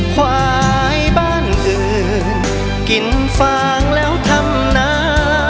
ควายบ้านอื่นกินฟางแล้วทำหนา